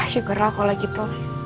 syukurlah kalau gitu